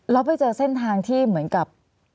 แล้วไปเจอเส้นทางที่เหมือนกับ